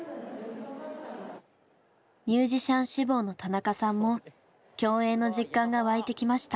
ミュージシャン志望の田中さんも共演の実感が湧いてきました。